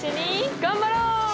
頑張ろう！